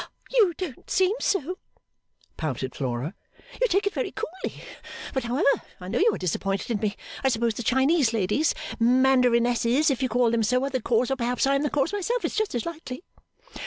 'You don't seem so,' pouted Flora, 'you take it very coolly, but however I know you are disappointed in me, I suppose the Chinese ladies Mandarinesses if you call them so are the cause or perhaps I am the cause myself, it's just as likely.